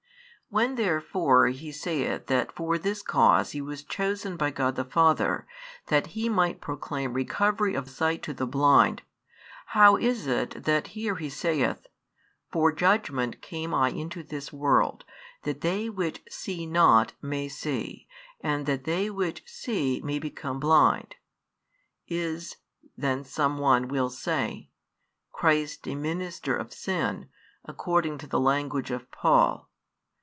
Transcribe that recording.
When therefore He saith that for this cause He was chosen by God the Father, that He might proclaim recovery of sight to the blind, how is it that here He saith: For judgment came I into this world, that they which see not may see; and that they which see may become blind? Is then, some one will say, Christ a minister of sin, according to the language of Paul?